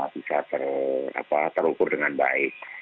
bisa terukur dengan baik